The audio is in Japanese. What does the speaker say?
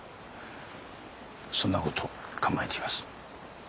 そんなことを考えています。